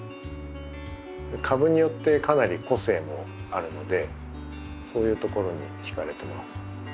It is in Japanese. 株によってかなり個性もあるのでそういうところに惹かれてます。